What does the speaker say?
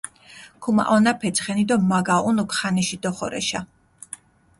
ქუმაჸონაფე ცხენი დო მა გაჸუნუქ ხანიში დოხორეშა.